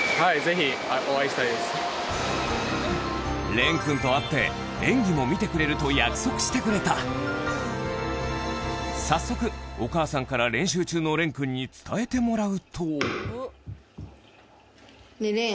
錬くんと会って演技も見てくれると約束してくれた早速お母さんから練習中の錬くんに伝えてもらうとねぇ錬。